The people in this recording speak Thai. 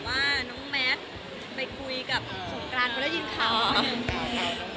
ว่าน้องแมดไปคุยกับส่วนการเพิ่งได้ยินข่าวเหรอ